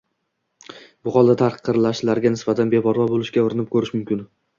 Bu holda tahqirlanishlarga nisbatan beparvo bo‘lishga urinib ko‘rish mumkin.